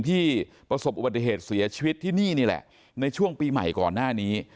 ที่ประสบอุบัติเหตุเสียชีวิตที่นี่นี่แหละในช่วงปีใหม่ก่อนหน้านี้